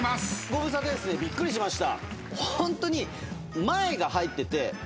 ご無沙汰ですねびっくりしました。